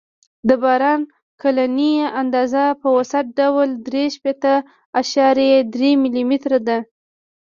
د باران کلنۍ اندازه په اوسط ډول درې شپېته اعشاریه درې ملي متره ده